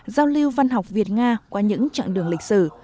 giao lưu văn học việt nga qua những chặng đường lịch sử